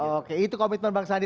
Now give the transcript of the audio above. oke itu komitmen bang sandi